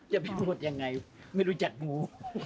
จะพูดยังไงไม่รู้จักงู